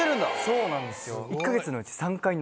そうなんですよ。